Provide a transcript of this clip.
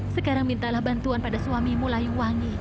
sekarang mintalah bantuan pada suamimu layuwangi